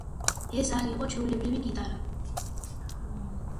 ეს არ იყო ჩვეულებრივი გიტარა.